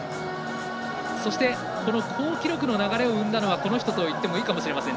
そして好記録の流れを生んだのはこの人といってもいいかもしれません。